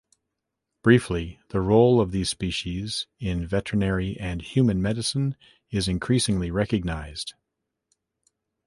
Briefly, the role of these species in veterinary and human medicine is increasingly recognised.